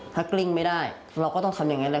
ถ้ากลิ้งไม่ได้เราก็ต้องทำอย่างนั้นแหละ